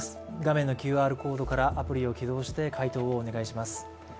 画面のＱＲコードからアプリを起動して回答をお願いします。